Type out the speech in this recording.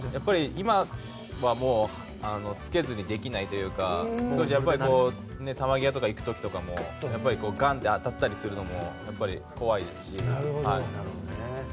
今はもう着けずにできないというか球際とかに行く時とかもガンッと当たったりする時もやっぱり怖いですし。